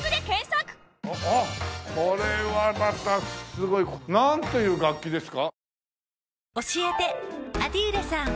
これはまたすごい。なんていう楽器ですか？